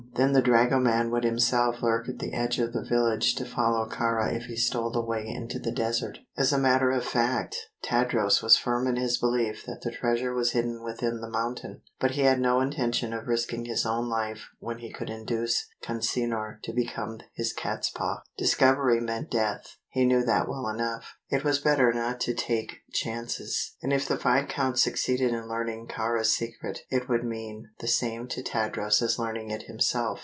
Then the dragoman would himself lurk at the edge of the village to follow Kāra if he stole away into the desert. As a matter of fact, Tadros was firm in his belief that the treasure was hidden within the mountain; but he had no intention of risking his own life when he could induce Consinor to become his catspaw. Discovery meant death he knew that well enough. It was better not to take chances, and if the viscount succeeded in learning Kāra's secret it would mean the same to Tadros as learning it himself.